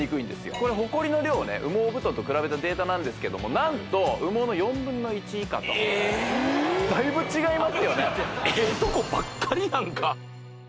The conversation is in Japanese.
これホコリの量をね羽毛布団と比べたデータなんですけども何と羽毛の４分の１以下とええ！？だいぶ違いますよね